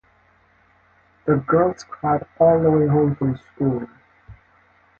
The girls cried all the way home from school.